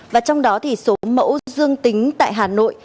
và trong đó thì số mẫu dương tính tại hà nội